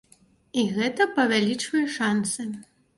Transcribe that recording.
І гэта павялічвае шансы.